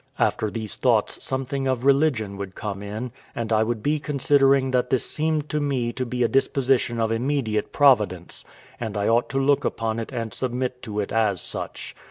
After these thoughts something of religion would come in; and I would be considering that this seemed to me to be a disposition of immediate Providence, and I ought to look upon it and submit to it as such.